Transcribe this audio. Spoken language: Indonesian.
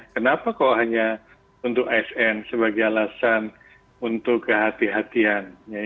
kenapa kalau hanya untuk asn sebagai alasan untuk kehatian